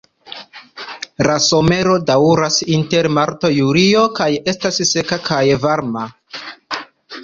La somero daŭras inter marto-julio kaj estas seka kaj varma.